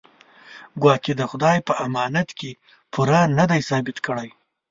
ګواکې د خدای په امانت کې پوره نه دی ثابت کړی.